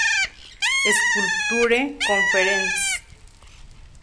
Sculpture Conference.